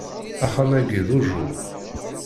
Axxam-agi d ujjuṛ.